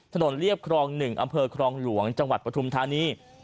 ถนนเรียบครองหนึ่งอำเภอครองหลวงจังหวัดประธุมธานี